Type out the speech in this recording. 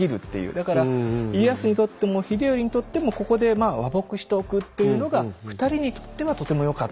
だから家康にとっても秀頼にとってもここで和睦しておくっていうのが２人にとってはとてもよかったと。